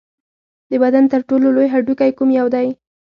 د بدن تر ټولو لوی هډوکی کوم یو دی